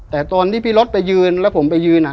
แต่ตอนที่พี่รถไปยืนแล้วผมไปยืน